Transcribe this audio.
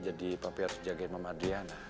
jadi papi harus jagain mama adriana